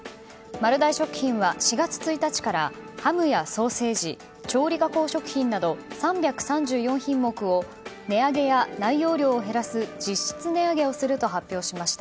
丸大食品は４月１日からハムやソーセージ調理加工食品など３３４品目を値上げや内容量を減らす実質値上げをすると発表しました。